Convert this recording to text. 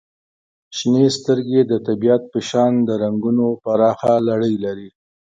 • شنې سترګې د طبیعت په شان د رنګونو پراخه لړۍ لري.